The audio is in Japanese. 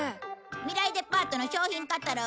未来デパートの商品カタログ。